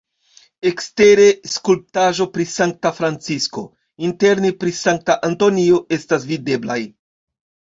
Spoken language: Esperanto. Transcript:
Ekstere skulptaĵo pri Sankta Francisko, interne pri Sankta Antonio estas videblaj.